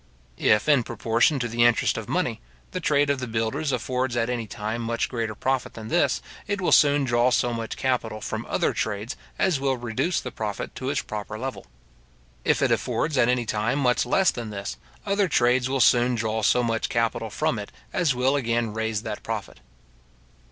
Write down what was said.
If, in proportion to the interest of money, the trade of the builders affords at any time much greater profit than this, it will soon draw so much capital from other trades as will reduce the profit to its proper level. If it affords at any time much less than this, other trades will soon draw so much capital from it as will again raise that profit.